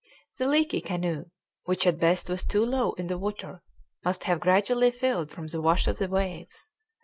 The leaky canoe, which at best was too low in the water, must have gradually filled from the wash of the waves.